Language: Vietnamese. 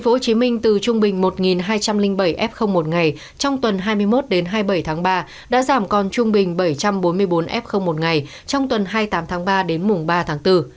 tp hcm từ trung bình một hai trăm linh bảy f một ngày trong tuần hai mươi một đến hai mươi bảy tháng ba đã giảm còn trung bình bảy trăm bốn mươi bốn f một ngày trong tuần hai mươi tám tháng ba đến mùng ba tháng bốn